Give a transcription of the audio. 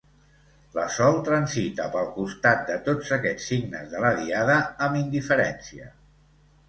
La Sol transita pel costat de tots aquests signes de la diada amb indiferència.